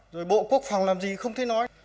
rồi bộ quốc phòng làm gì không thể nói